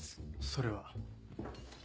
それは？